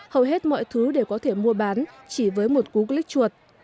hầu hết mọi thứ đều có thể mua bán chỉ với một cuốc lích chuột